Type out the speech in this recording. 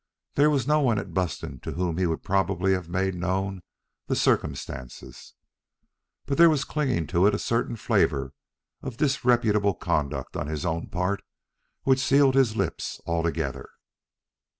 There was no one at Buston to whom he would probably have made known the circumstances. But there was clinging to it a certain flavor of disreputable conduct on his own part which sealed his lips altogether.